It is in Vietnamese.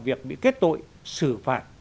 việc bị kết tội xử phạt